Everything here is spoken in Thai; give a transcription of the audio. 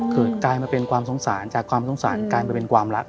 กลายมาเป็นความสงสารจากความสงสารกลายไปเป็นความรัก